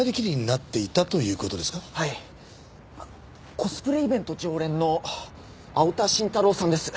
コスプレイベント常連の青田晋太郎さんです。